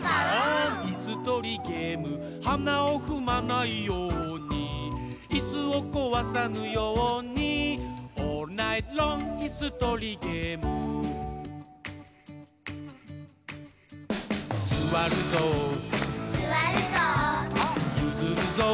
いすとりゲーム」「はなをふまないように」「いすをこわさぬように」「オールナイトロングいすとりゲーム」「すわるぞう」「ゆずるぞう」